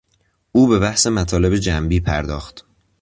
او به بحث مطالب جنبی پرداخت.